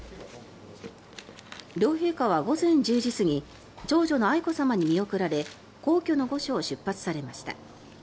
両陛下は午前１０時過ぎ長女の愛子さまに見送られ皇居の御所を出発されました。